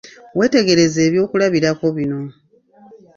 Weetegereze ebyokulabirako bino.